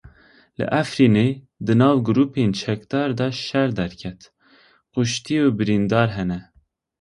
Li Efrînê di nav grûpên çekdar de şer derket, kuştî birîndar hene.